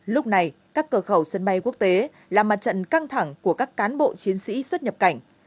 lúc này các cửa khẩu sân bay quốc tế là mặt trận căng thẳng của các cán bộ chiến sĩ xuất nhập cảnh